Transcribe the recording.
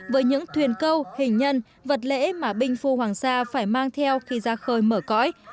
với những thuyền câu hình nhân vật lễ mà binh phu hoàng sa phải mang theo khi ra khơi mở cõi